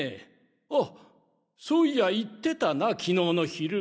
あっそういや言ってたな昨日の昼。